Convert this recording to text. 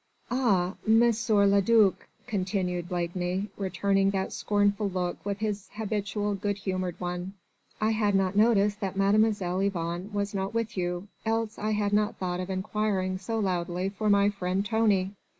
"Ah! M. le duc," continued Blakeney, returning that scornful look with his habitual good humoured one, "I had not noticed that mademoiselle Yvonne was not with you, else I had not thought of inquiring so loudly for my friend Tony."